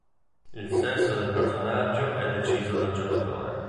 Il sesso del personaggio è deciso dal giocatore.